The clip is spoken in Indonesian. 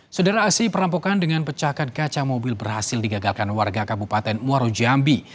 saudara asli perampokan dengan pecahkan kaca mobil berhasil digagalkan warga kabupaten muarujambi